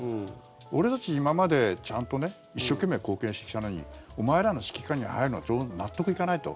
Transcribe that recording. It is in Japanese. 俺たち今までちゃんと一生懸命貢献してきたのにお前らの指揮下に入るのは納得いかないと。